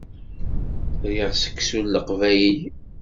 Riɣ seksu n Leqbayel.